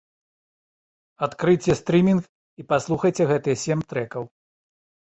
Адкрыйце стрымінг і паслухайце гэтыя сем трэкаў.